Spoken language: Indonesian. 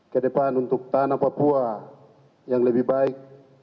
ke depan untuk tanah papua yang lebih baik